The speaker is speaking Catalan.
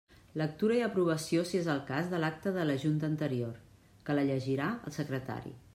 Lectura i aprovació si és el cas de l'acta de la junta anterior, que la llegirà el secretari.